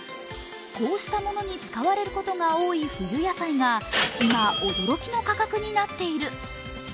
こうしたものに使われることが多い冬野菜が今、驚きの価格になっている。